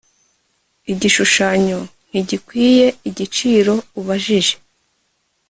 igishushanyo ntigikwiye igiciro ubajije